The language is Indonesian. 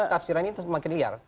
tafsirannya semakin liar